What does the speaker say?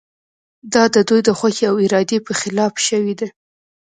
دا د دوی د خوښې او ارادې په خلاف شوې ده.